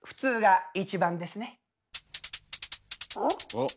おっ。